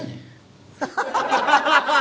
ハハハハハ！